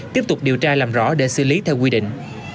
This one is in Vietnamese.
tiếp tục điều tra làm rõ để xử lý theo quy định